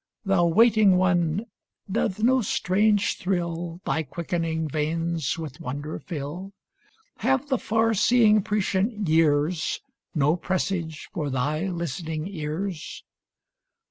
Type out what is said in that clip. Thou waiting one, doth no strange thrill Thy quickening veins with wonder fill ? Have the far seeing, prescient years No presage for thy listening ears